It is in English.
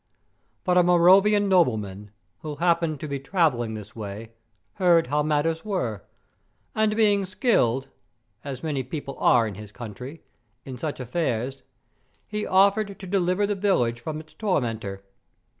But a Moravian nobleman, who happened to be traveling this way, heard how matters were, and being skilled—as many people are in his country—in such affairs, he offered to deliver the village from its tormentor.